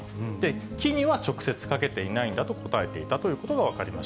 木には直接かけていないんだと答えていたということが分かりまし